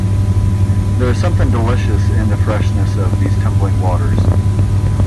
There is something delicious in the freshness of these tumbling waters.